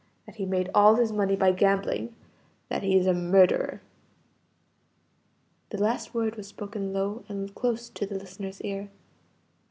that he made all his money by gambling; that he is a murderer." The last word was spoken low and close to the listener's ear.